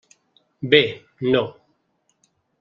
Bé, no.